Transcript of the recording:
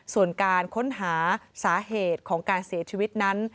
ส่วนการค้นหาสาเหตุของการเสียชีวิตนั้น